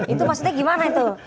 itu maksudnya gimana itu